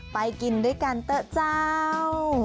ไปกินด้วยกันเตอะเจ้า